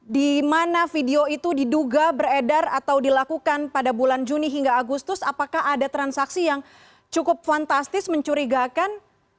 di mana video itu diduga beredar atau dilakukan pada bulan juni hingga agustus apakah ada transaksi yang cukup fantastis mencurigakan